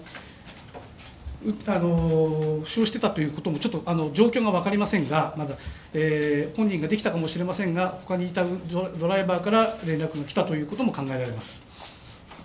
負傷していたということも、まだ状況は分かりませんが、本人ができたかもしれませんが、他にいたドライバーから連絡が来たということも考えられます。